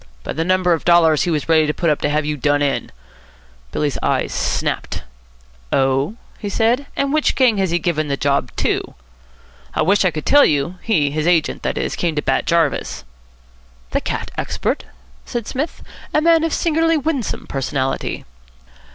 "By the number of dollars he was ready to put up to have you done in." Billy's eyes snapped. "Oh?" he said. "And which gang has he given the job to?" "I wish I could tell you. He his agent, that is came to Bat Jarvis." "The cat expert?" said Psmith. "A man of singularly winsome personality."